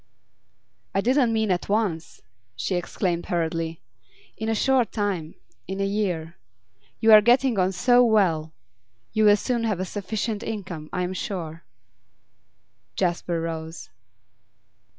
'I didn't mean at once,' she explained hurriedly. 'In a short time in a year. You are getting on so well. You will soon have a sufficient income, I am sure.' Jasper rose.